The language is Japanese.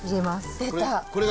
出た。